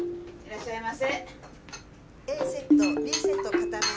いらっしゃいませ。